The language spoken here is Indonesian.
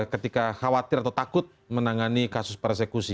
ketika khawatir atau takut menangani kasus persekusi